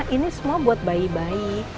ini semua buat bayi bayi